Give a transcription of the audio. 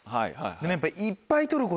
でもやっぱ。